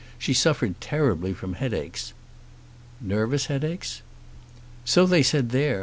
She suffered terribly from headaches." "Nervous headaches?" "So they said there.